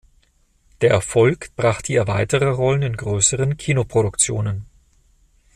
Der Erfolg brachte ihr weitere Rollen in größeren Kinoproduktionen.